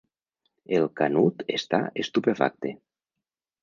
El Canut està estupefacte.